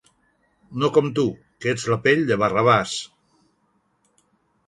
No com tu, que ets la pell de Barrabàs...